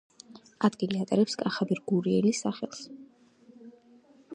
ადგილი ატარებს კახაბერ გურიელის სახელს.